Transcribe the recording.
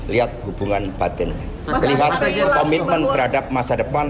lihat hubungan batin lihat komitmen terhadap masa depan